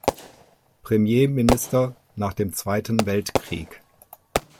Premierminister nach dem Zweiten Weltkrieg.